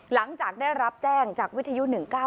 หลังจากได้รับแจ้งจากวิทยุ๑๙